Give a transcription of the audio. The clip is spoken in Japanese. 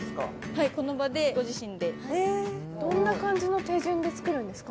はいこの場でご自身でどんな感じの手順で作るんですか？